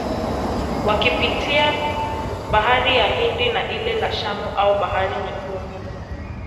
Wakipitia bahari ya Hindi na ile ya Shamu au bahari Nyekundu